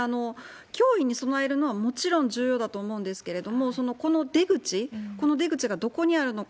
脅威に備えるのはもちろん重要だと思うんですけれども、この出口、この出口がどこにあるのか。